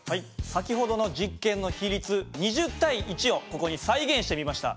先ほどの実験の比率２０対１をここに再現してみました。